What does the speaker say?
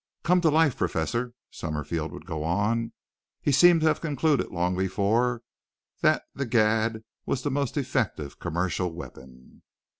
"Come to life, professor," Summerfield would go on. He seemed to have concluded long before that the gad was the most effective commercial weapon.